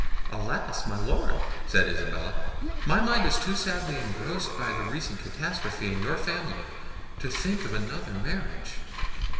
"Alas, my Lord!" said Isabella, "my mind is too sadly engrossed by the recent catastrophe in your family to think of another marriage.